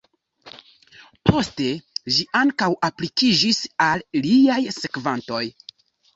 Poste ĝi ankaŭ aplikiĝis al liaj sekvantoj.